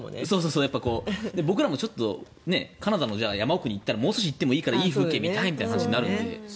僕らもちょっとカナダの山奥に行ったらもう少し行ってもいいからいい風景を見たいという話になるので。